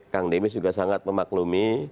kang demis juga sangat memaklumi